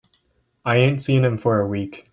I ain't seen him for a week.